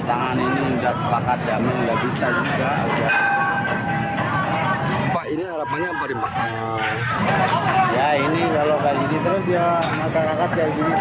terima kasih ya ini kalau kayak gini terus ya masyarakat kayak gini